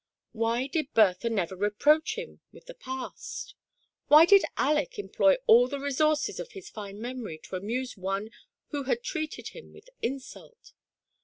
Why did Bertha never reproach him with the past? — why did Aleck employ all the resources of his fine memory to amuse one who had treated him with insult?